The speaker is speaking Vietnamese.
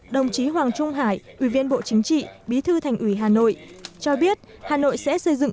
đồng chí hoàng trung hải ủy viên bộ chính trị bí thư thành ủy hà nội cho biết hà nội sẽ xây dựng